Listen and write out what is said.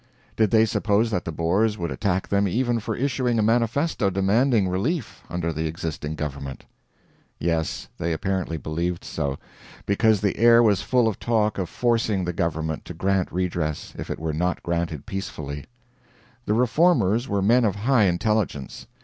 Did they suppose that the Boers would attack them even for issuing a Manifesto demanding relief under the existing government? Yes, they apparently believed so, because the air was full of talk of forcing the government to grant redress if it were not granted peacefully. The Reformers were men of high intelligence.